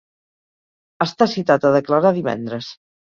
Està citat a declarar divendres.